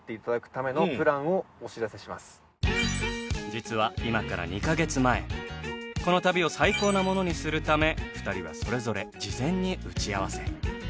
実は今から２カ月前この旅を最高なものにするため２人はそれぞれ事前に打ち合わせ。